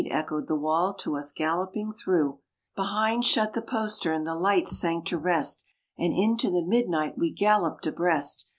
echoed the wall to us galloping through; Behind shut the postern, the lights sank to rest, And into the midnight we galloped abreast.